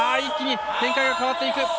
一気に展開が変わっていく。